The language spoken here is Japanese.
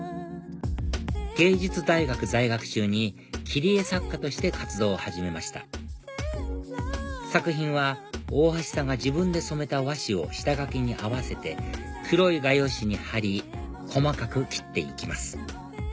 芸術大学在学中に切り絵作家として活動を始めました作品は大橋さんが自分で染めた和紙を下書きに合わせて黒い画用紙に貼り細かく切っていきます